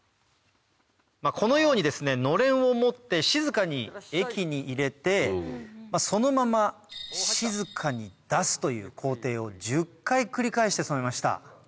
このようにですねのれんを持って静かに液に入れてそのまま静かに出すという工程を１０回繰り返して染めました。